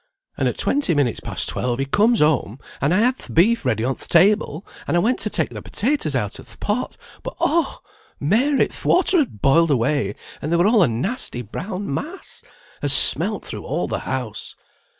and at twenty minutes past twelve he comes home, and I had th' beef ready on th' table, and I went to take the potatoes out o' th' pot; but oh! Mary, th' water had boiled away, and they were all a nasty brown mass, as smelt through all the house.